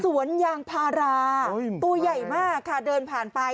สวนยางพาราตัวใหญ่มากค่ะเดินผ่านไป